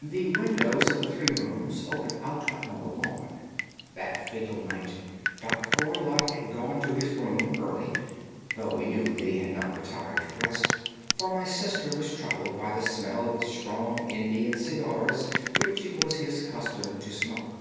"The windows of the three rooms open out upon the lawn. That fatal night Dr. Roylott had gone to his room early, though we knew that he had not retired to rest, for my sister was troubled by the smell of the strong Indian cigars which it was his custom to smoke.